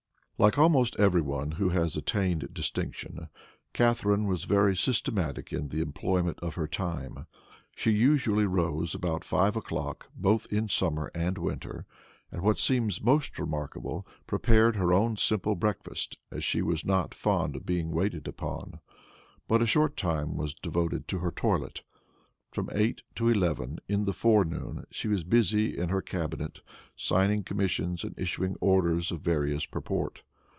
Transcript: Like almost every one who has attained distinction, Catharine was very systematic in the employment of her time. She usually rose at about five o'clock both in summer and winter; and what seems most remarkable, prepared her own simple breakfast, as she was not fond of being waited upon. But a short time was devoted to her toilet. From eight to eleven in the forenoon she was busy in her cabinet, signing commissions and issuing orders of various purport.